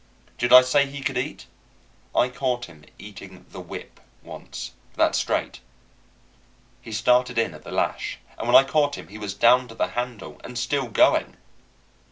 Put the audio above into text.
Did I say he could eat? I caught him eating the whip once. That's straight. He started in at the lash, and when I caught him he was down to the handle, and still going.